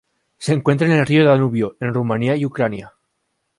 Se encuentra en el río Danubio en Rumanía y Ucrania.